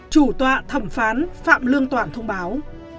chủ tọa thẩm phán phạm lương toản thông báo